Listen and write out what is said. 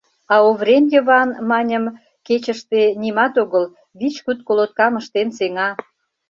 А Оврем Йыван, маньым, кечыште, нимат огыл, вич-куд колоткам ыштен сеҥа.